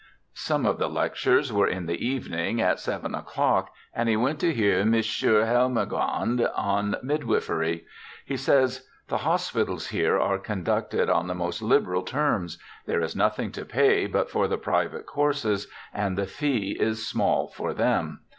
Some of the lectures were in the evening, at seven o'clock, and he went to hear M. Helmagrande on mid wifery. He says, * The hospitals here are conducted on the most liberal terms ; there is nothing to pay but for the private courses, and the fee is small for them.